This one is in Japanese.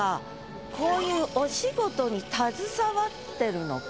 こういうお仕事に携わってるのか？